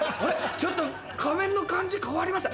ちょっと仮面の感じ変わりました？